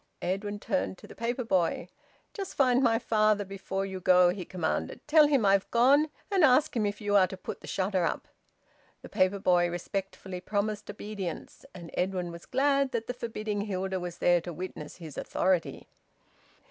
Edwin turned to the paper boy. "Just find my father before you go," he commanded. "Tell him I've gone, and ask him if you are to put the shutter up." The paper boy respectfully promised obedience. And Edwin was glad that the forbidding Hilda was there to witness his authority.